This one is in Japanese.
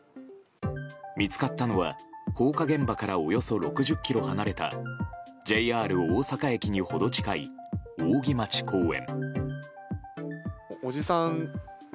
見つかったのは放火現場からおよそ６０ｋｍ離れたＪＲ大阪駅にほど近い扇町公園。